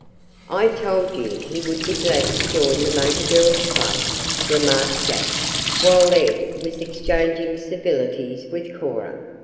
"I told you he would be glad to join the Motor Girls' Club," remarked Jack, while Ed was exchanging civilities with Cora.